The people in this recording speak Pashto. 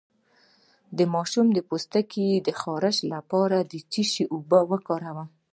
د ماشوم د پوستکي د خارښ لپاره د څه شي اوبه وکاروم؟